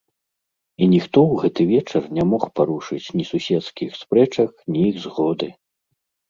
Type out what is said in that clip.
І ніхто ў гэты вечар не мог парушыць ні суседскіх спрэчак, ні іх згоды.